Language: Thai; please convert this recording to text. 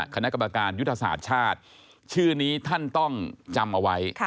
คณะกรรมการยุทธศาสตร์ชาติชื่อนี้ท่านต้องจำเอาไว้